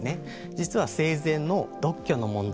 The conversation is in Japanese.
実は生前の独居の問題